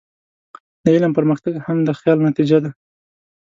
د علم پرمختګ هم د خیال نتیجه ده.